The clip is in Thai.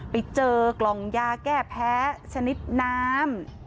ไปเจอกล่องยาแก้แพ้ชนิดน้ำ